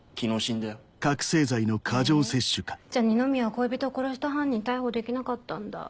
じゃあ二宮は恋人を殺した犯人逮捕できなかったんだ。